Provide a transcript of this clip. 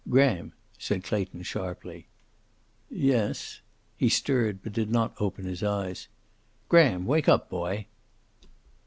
"Graham!" said Clayton sharply. "Yes." He stirred, but did not open his eyes. "Graham! Wake up, boy."